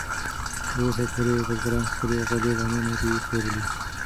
تراوسه پورې بزګرانو خپلې غلې دانې نه دي پلورلې.